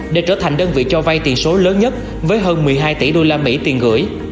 để trở thành đơn vị cho vay tiền số lớn nhất với hơn một mươi hai tỷ usd tiền gửi